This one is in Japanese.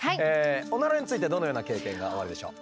オナラについてどのような経験がおありでしょう？